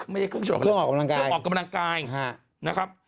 ไม่ใช่เครื่องออกเครื่องออกกำลังกายเครื่องออกกำลังกายนะครับ